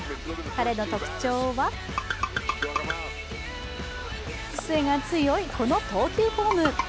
彼の特徴は癖が強いこの投球フォーム。